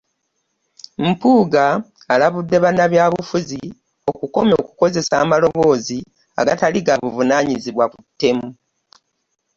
Mpuuga alabudde bannabyabufuzi okukomya okukozesa amaloboozi agatali ga buvunaanyizibwa ku ttemu.